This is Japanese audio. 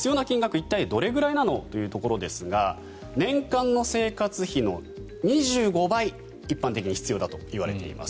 一体、どれぐらいなの？ということですが年間の生活費の２５倍必要だと一般的にいわれています。